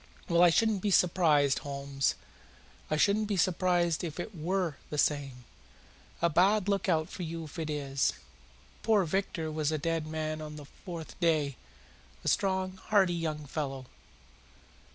"Well, I shouldn't be surprised, Holmes. I shouldn't be surprised if it WERE the same. A bad lookout for you if it is. Poor Victor was a dead man on the fourth day a strong, hearty young fellow.